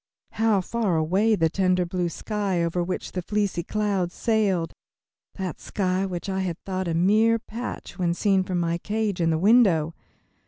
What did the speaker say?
How far away the tender blue sky over which the fleecy clouds sailed, that sky which I had thought a mere patch when seen from my cage in the window!